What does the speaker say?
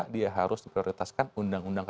dia harus diprioritaskan undang undang